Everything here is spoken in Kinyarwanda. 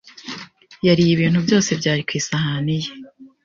Yariye ibintu byose byari ku isahani ye.